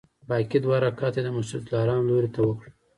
باقي دوه رکعته یې د مسجدالحرام لوري ته وکړل.